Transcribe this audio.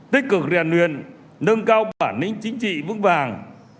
tích cực rèn luyện nâng cao bản lĩnh chính trị vững vàng